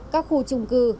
các khu trung cư